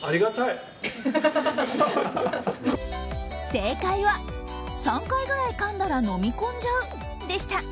正解は、３回ぐらいかんだら飲み込んじゃうでした。